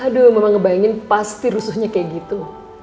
aduh mama ngebayangin pasti rusuhnya kayak gitu